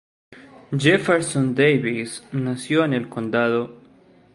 Jefferson Davis nació en el condado.